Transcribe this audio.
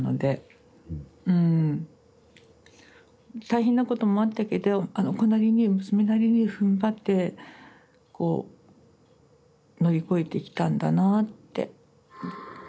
大変なこともあったけどあの子なりに娘なりにふんばってこう乗り越えてきたんだなあって。